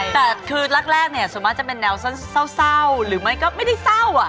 แต่คือแรกเนี่ยส่วนมากจะเป็นแนวเศร้าหรือไม่ก็ไม่ได้เศร้าอ่ะ